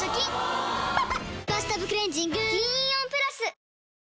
・おぉ「バスタブクレンジング」銀イオンプラス！